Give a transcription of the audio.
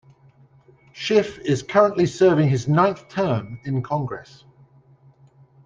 Schiff is currently serving his ninth term in Congress.